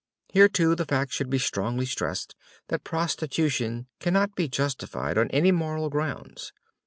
Here, too, the fact should be strongly stressed that prostitution cannot be justified on any moral grounds.